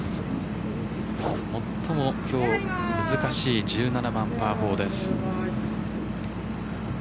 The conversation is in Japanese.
最も今日難しい１７番パー４です。